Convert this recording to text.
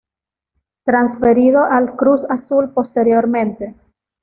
Transferido al Cruz Azul posteriormente.